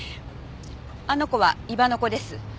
あの子は伊庭の子です。